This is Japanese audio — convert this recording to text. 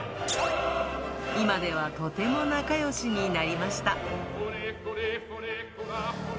今ではとても仲よしになりました。